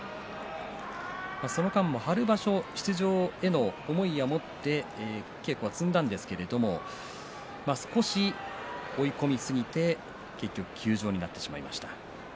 その間も春場所出場への思いを持って稽古を積んだんですけど少し追い込みすぎて結局、休場になってしまいました。